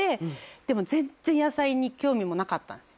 でも全然野菜に興味もなかったんですよ。